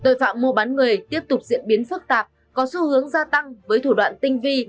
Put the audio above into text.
tội phạm mua bán người tiếp tục diễn biến phức tạp có xu hướng gia tăng với thủ đoạn tinh vi